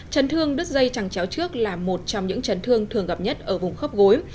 trấn thương đứt dây trắng chéo trước là một trong những trấn thương thường gặp nhất ở vùng khớp gối